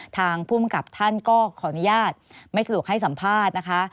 ทางภูมิกับท่านก็ขออนุญาตไม่สะดวกให้สัมภาษณ์นะคะ